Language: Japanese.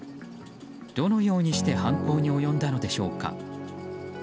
どのようにして犯行に及んだのでしょうか。